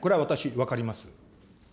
分かります。